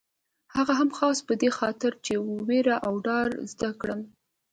هغه هم خاص په دې خاطر چې وېره او ډار زده کړم.